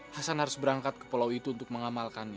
hasan harus berangkat ke pulau itu untuk mengamalkannya